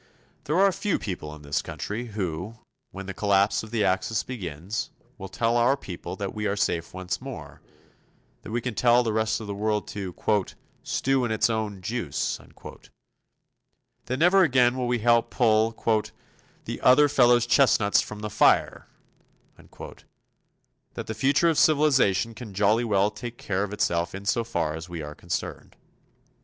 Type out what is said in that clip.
There are a few people in this country who, when the collapse of the Axis begins, will tell our people that we are safe once more; that we can tell the rest of the world to "stew in its own juice"; that never again will we help to pull "the other fellow's chestnuts from the fire"; that the future of civilization can jolly well take care of itself insofar as we are concerned.